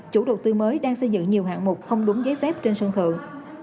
chủ đầu tư mới đang xây dựng nhiều hạng mục không đúng giấy phép trên sân thượng